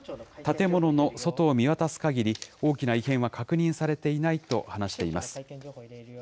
建物の外を見渡すかぎり、大きな異変は確認されていないと話しています。